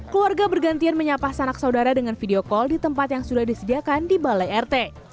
keluarga bergantian menyapa sanak saudara dengan video call di tempat yang sudah disediakan di balai rt